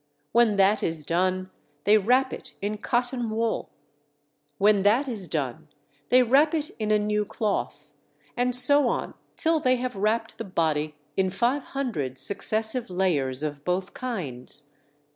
When that is done they wrap it in cotton wool. When that is done they wrap it in a new cloth, and so on till they have wrapped the body in five hundred successive layers of both kinds.